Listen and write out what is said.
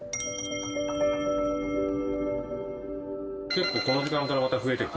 結構この時間からまた増えてきだす？